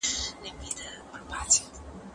بې اتفاقي یې لوی زیان رسولی و